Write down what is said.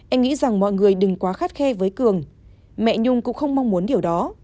em nghĩ rằng mọi người đừng quá khắt khe với cường mẹ nhung cũng không mong muốn điều đó